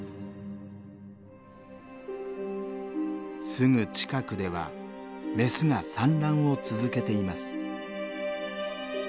すぐ近くではメスが産卵を続けています。